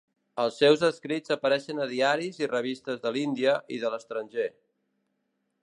Els seus escrits apareixen a diaris i revistes de l'Índia i de l'estranger.